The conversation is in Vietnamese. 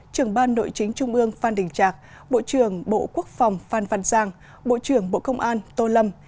trưởng ban nội chính trung ương phan đình trạc bộ trưởng bộ quốc phòng phan văn giang bộ trưởng bộ công an tô lâm